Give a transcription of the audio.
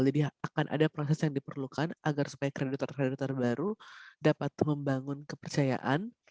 jadi akan ada proses yang diperlukan agar supaya kreditor kreditor baru dapat membangun kepercayaan